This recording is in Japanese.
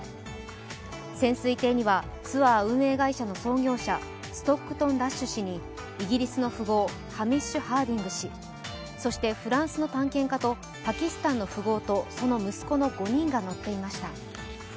潜水艇にはツアー運営会社の創業者、イギリスの富豪、ハミッシュ・ハーディング氏、そしてフランスの探検家とパキスタンの富豪と、その息子の５人が乗っていました。